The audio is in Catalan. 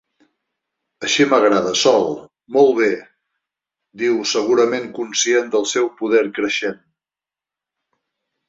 Així m'agrada, Sol, molt bé —diu, segurament conscient del seu poder creixent—.